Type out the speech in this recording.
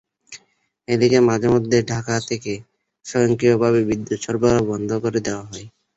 এদিকে মাঝেমধ্যে ঢাকা থেকে স্বয়ংক্রিয়ভাবে বিদ্যুৎ সরবরাহ বন্ধ করে দেওয়া হয়।